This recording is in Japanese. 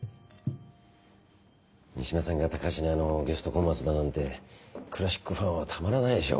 三島さんが高階のゲストコンマスだなんてクラシックファンはたまらないでしょう。